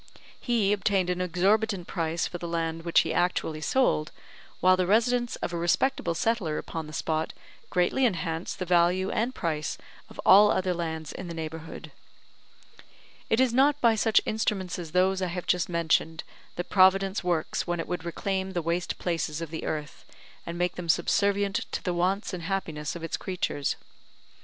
He obtained an exorbitant price for the land which he actually sold, while the residence of a respectable settler upon the spot greatly enhanced the value and price of all other lands in the neighbourhood. It is not by such instruments as those I have just mentioned, that Providence works when it would reclaim the waste places of the earth, and make them subservient to the wants and happiness of its creatures.